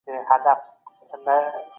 د ژوند مانا په سخاوت کي ده.